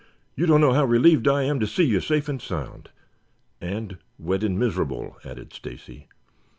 "You don't know how relieved I am to see you safe and sound " "And wet and miserable," added Stacy.